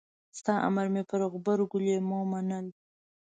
ستا امر مې پر غبرګو لېمو منل.